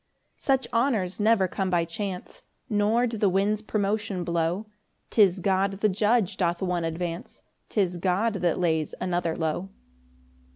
5 Such honours never come by chance, Nor do the winds promotion blow; 'Tis God the judge doth one advance, 'Tis God that lays another low.